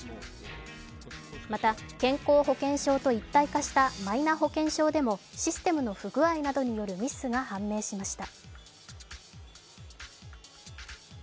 また、健康保険証と一体化したマイナ保険証でもシステムの不具合などによるミスが判明しました。